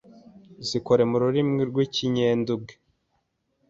zikore mu rurimi rw’iginyenduge